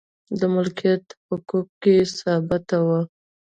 د مالکیت حقوق بې ثباته و